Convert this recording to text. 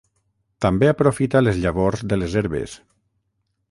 També aprofita les llavors de les herbes.